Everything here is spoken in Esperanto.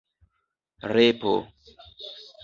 repo